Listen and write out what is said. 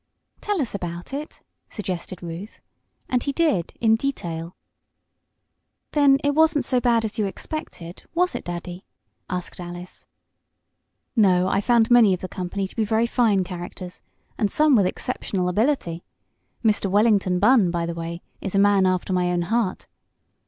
"Tell us about it," suggested Ruth, and he did in detail. "Then it wasn't so bad as you expected; was it, Daddy?" asked Alice. "No, I found many of the company to be very fine characters, and some with exceptional ability. Mr. Wellington Bunn, by the way, is a man after my own heart."